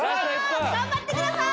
頑張ってください！